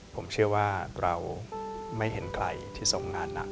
ผมเชื่อว่าเราไม่เห็นใครที่ทรงงานหนัก